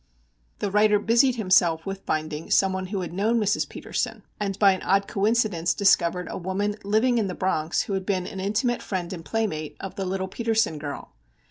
The writer busied himself with finding some one who had known Mrs. Petersen, and by an odd coincidence discovered a woman living in the Bronx who had been an intimate friend and playmate of the little Petersen girl.